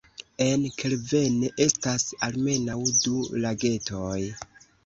En Kelvenne estas almenaŭ du lagetoj.